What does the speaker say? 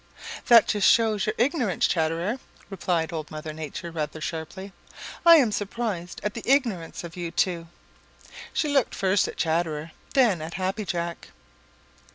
"That just shows your ignorance, Chatterer," replied Old Mother Nature rather sharply. "I'm surprised at the ignorance of you two." She looked first at Chatterer, than at Happy Jack.